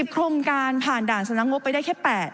โครงการผ่านด่านสำนักงบไปได้แค่๘